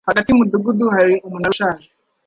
Hagati yumudugudu hari umunara ushaje.